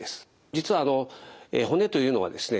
実は骨というのはですね